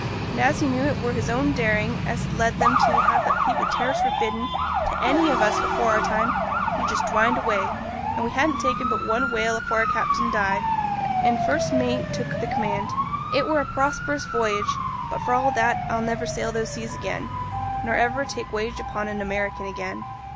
And as he knew it were his own daring as had led him to have that peep at terrors forbidden to any on us afore our time, he just dwined away, and we hadn't taken but one whale afore our captain died, and first mate took th' command. It were a prosperous voyage; but, for all that, I'll never sail those seas again, nor ever take wage aboard an American again.'